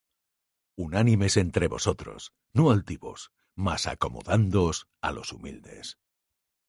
Unánimes entre vosotros: no altivos, mas acomodándoos á los humildes.